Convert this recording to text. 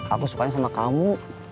aku sukanya sama kamu